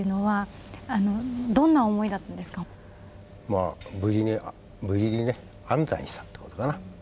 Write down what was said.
まあ無事にね安産したってことかな。